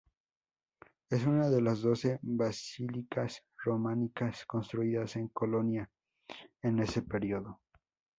Es una de los doce basílicas románicas construidas en Colonia en ese período.